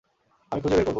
আমি খুঁজে বের করবো।